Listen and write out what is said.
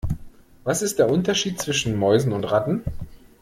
Was ist der Unterschied zwischen Mäusen und Ratten?